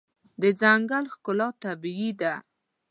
د ځنګل ښکلا طبیعي ده.